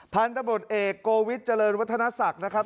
พันธบทเอกโกวิทเจริญวัฒนศักดิ์นะครับ